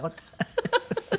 フフフフ！